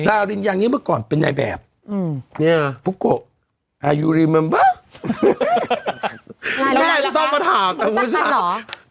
ราลินอย่างนี้เมื่อก่อนเป็นไหนแบบเนี่ยพุกโกแม่จะต้องมาถาม